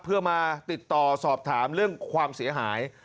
เพื่อมาติดต่อสอบถามเรื่องความเสียหาย